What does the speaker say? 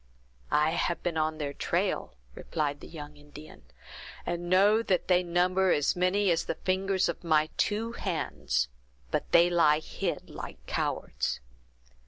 "I have been on their trail," replied the young Indian, "and know that they number as many as the fingers of my two hands; but they lie hid like cowards."